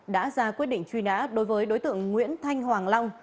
đã ra quyết định truy nã đối với đối tượng nguyễn thanh hoàng long